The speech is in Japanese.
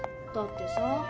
だってさ